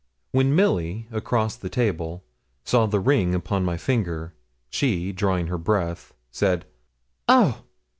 When Milly, across the table, saw the ring upon my finger, she, drawing in her breath, said, 'Oh!'